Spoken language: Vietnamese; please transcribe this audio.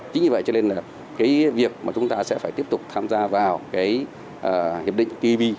chính vì vậy cho nên là cái việc mà chúng ta sẽ phải tiếp tục tham gia vào cái hiệp định tv